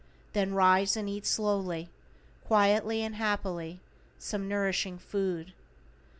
Then rise and eat slowly, quietly and happily some nourishing food.